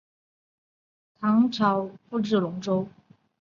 唐朝复置龙州。